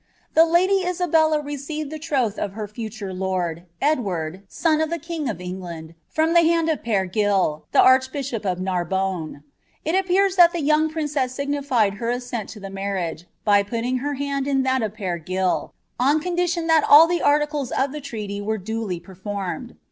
The lady Isubella received the Iroth of her future lortl, Ettwanl, son of the king of England, from the hand of PereGJIl, ilie archbishop of ITarboiine. It appears tiiai the young princess signified her assent to (he /narrioge, by pulling her liand iti Iliat of Pere Gill, oa Cvndilion that all the articles of ilie treaty were duly performed.